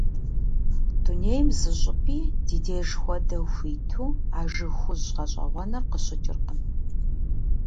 Дунейм зы щӀыпӀи ди деж хуэдэу хуиту а жыг хужь гъэщӀэгъуэныр къыщыкӀыркъым.